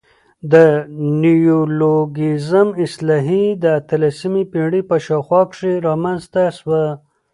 د نیولوګیزم اصطلاح د اتلسمي پېړۍ په شاوخوا کښي رامنځ ته سوه.